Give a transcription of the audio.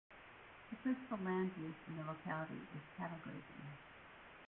The principal land use in the locality is cattle grazing.